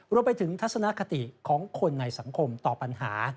รวมไปถึงทัศนคติของคนในสังคมต่อปัญหา